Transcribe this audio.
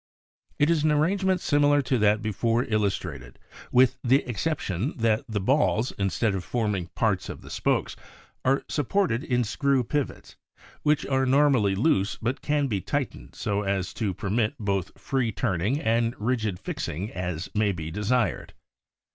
It is an arrangement similar to that before illustrated with the exception that the balls, instead of forming parts of the spokes, are supported in screw pivots s, which are normally loose but can be tight ened so as to permit both free turning and rigid fixing as may be desired.